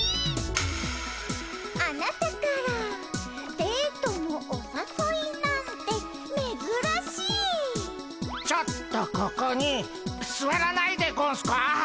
「あなたからデートのおさそいなんてめずらしい」「ちょっとここにすわらないでゴンスか」